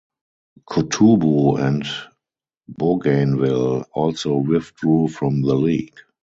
Kutubu and Bougainville also withdrew from the league.